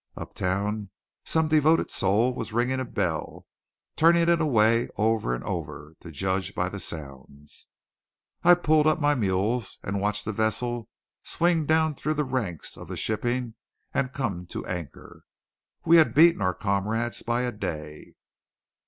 Uptown some devoted soul was ringing a bell; and turning it away over and over, to judge by the sounds. I pulled up my mules and watched the vessel swing down through the ranks of the shipping and come to anchor. We had beaten out our comrades by a day!